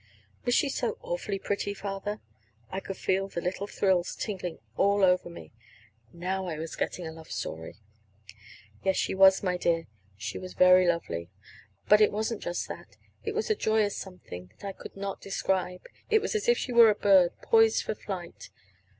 "Was she so awfully pretty, Father?" I could feel the little thrills tingling all over me. Now I was getting a love story! "She was, my dear. She was very lovely. But it wasn't just that it was a joyous something that I could not describe. It was as if she were a bird, poised for flight.